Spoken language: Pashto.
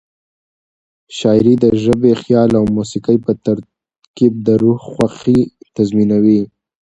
شاعري د ژبې، خیال او موسيقۍ په ترکیب د روح خوښي تضمینوي.